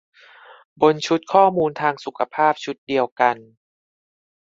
บนชุดข้อมูลทางสุขภาพชุดเดียวกัน